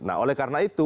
nah oleh karena itu